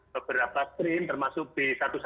beberapa stream termasuk b satu ratus tujuh belas